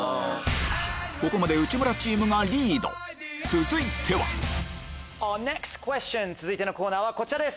ここまで内村チームがリード続いてはネクストクエスチョン続いてのコーナーはこちらです。